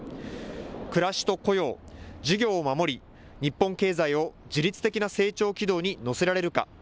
暮らしと雇用、事業を守り日本経済を自律的な成長軌道に乗せられるか。